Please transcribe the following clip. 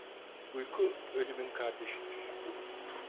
Uyku ölümün kardeşidir.